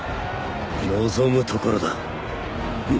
望むところだ。